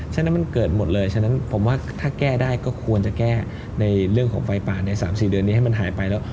ฉะนั้นมันเกิดหมดเลยฉะนั้นผมว่าถ้าแก้ได้ก็ควรจะแก้ในเรื่องของไฟป่าใน๓๔เดือนนี้ให้มันหายไปแล้ว